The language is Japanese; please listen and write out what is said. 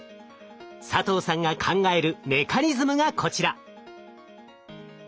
佐藤さんが考えるメカニズムがこちら。